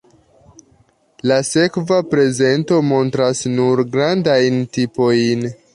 La sekva prezento montras nur grandajn tipojn.